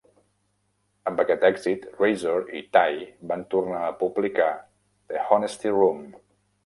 Amb aquest èxit, Razor i Tie van tornar a publicar The Honesty Room.